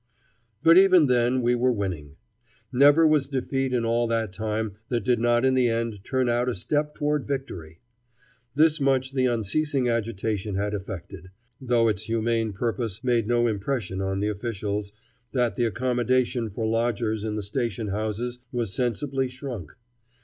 But even then we were winning. Never was defeat in all that time that did not in the end turn out a step toward victory. This much the unceasing agitation had effected, though its humane purpose made no impression on the officials, that the accommodation for lodgers in the station houses was sensibly shrunk.